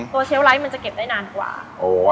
เชลไลท์มันจะเก็บได้นานกว่า